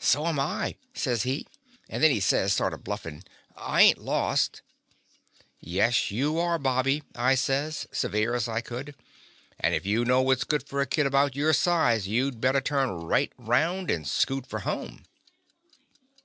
"So 'm I," says he, and then he says, sort of bluffin', "I ain't lost." "Yes you are, Bobby," I says, se The Confessions of a Daddy vere as I could, "and if you know what 's good for a kid about your size you 'd better turn right 'round and scoot for home."